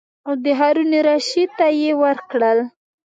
او د هارون الرشید ته یې ورکړل.